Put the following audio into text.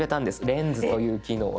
レンズという機能を使って。